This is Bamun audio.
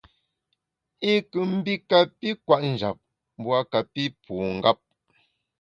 I nkù mbi kapi kwet njap, mbu a kapi pu ngap.